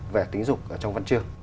về tính dục trong văn trường